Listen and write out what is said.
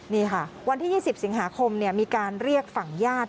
นี่ค่ะวันที่๒๐สิงหาคมมีการเรียกฝั่งญาติ